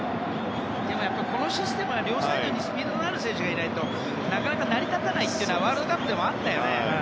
このシステムは両サイドにスピードのある選手がいないとなかなか成り立たないというのがワールドカップでもあったね。